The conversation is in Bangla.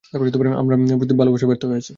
আমার প্রতি তোমার ভালোবাসা ব্যর্থ হয়েছে।